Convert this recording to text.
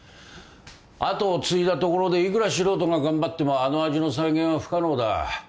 後を継いだところでいくら素人が頑張ってもあの味の再現は不可能だ。